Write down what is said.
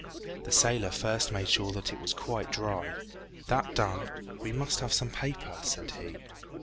The sailor first made sure that it was quite dry; that done, "We must have some paper," said he.